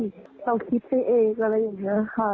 เราคิดไปเองอะไรอย่างนี้ค่ะ